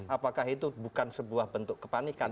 apakah itu bukan sebuah bentuk kepanikan